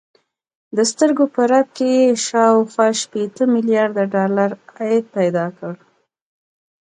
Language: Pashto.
د سترګو په رپ کې يې شاوخوا شپېته ميليارده ډالر عايد پيدا کړ.